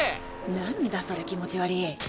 なんだそれ気持ち悪ぃ。